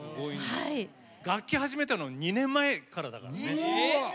楽器始めたの２年前からだからね。